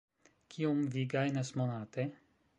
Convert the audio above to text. Kiom vi gajnas monate?